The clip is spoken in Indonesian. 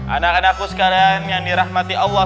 anak anakku sekarang yang dirahmati allah